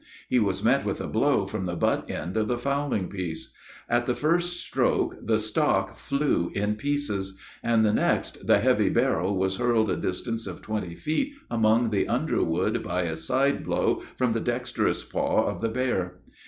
He was met with a blow from the butt end of the fowling piece. At the first stroke, the stock flew in pieces, and the next the heavy barrel was hurled a distance of twenty feet among the underwood by a side blow from the dexterous paw of the bear.